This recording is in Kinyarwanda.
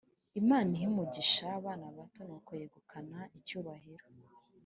imana ihe umugisha abana bato! "nuko yegukana icyubahiro,